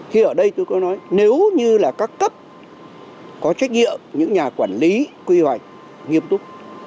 khi ở đây tôi có nói nếu như là các cấp có trách nhiệm những nhà quản lý quy hoạch nghiêm túc